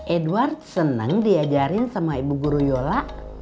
edward senang diajarin sama ibu guru yola